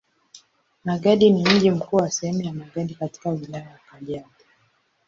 Magadi ni mji mkuu wa sehemu ya Magadi katika Wilaya ya Kajiado.